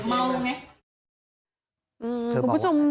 ตอนนี้ขอเอาผิดถึงที่สุดยืนยันแบบนี้